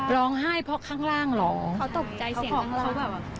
ร้องไห้เพราะข้างล่างหลองเขาตกใจเสียงทั้งล่าง